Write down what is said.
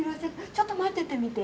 ちょっと待っててみて。